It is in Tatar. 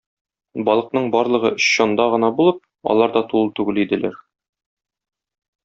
Балыкның барлыгы өч чанда гына булып, алар да тулы түгел иделәр.